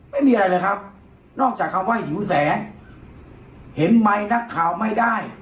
ไม่มีอะไรเลยครับนอกจากคำว่าหิวแสงเห็นไมค์นักข่าวไม่ได้